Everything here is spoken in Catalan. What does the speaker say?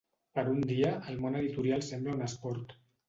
Per un dia, el món editorial sembla un esport.